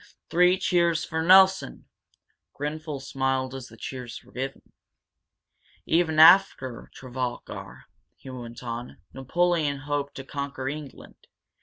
"Three cheers for Nelson!" Grenfel smiled as the cheers were given. "Even after Trafalgar," he went on, "Napoleon hoped to conquer England.